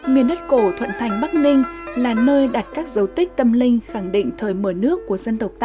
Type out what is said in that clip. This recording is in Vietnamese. miền đất cổ thuận thành bắc ninh là nơi đặt các dấu tích tâm linh khẳng định thời mở nước của dân tộc ta